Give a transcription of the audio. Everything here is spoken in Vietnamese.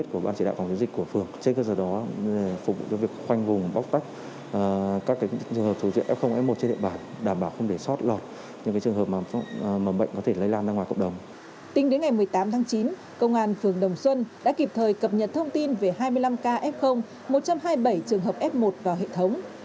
tính đến ngày một mươi tám tháng chín công an phường đồng xuân đã kịp thời cập nhật thông tin về hai mươi năm kf một trăm hai mươi bảy trường hợp f một vào hệ thống